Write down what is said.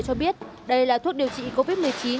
cho biết đây là thuốc điều trị covid một mươi chín